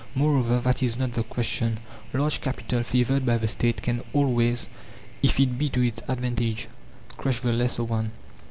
Moreover, that is not the question. Large Capital, favoured by the State, can always, if it be to its advantage, crush the lesser one.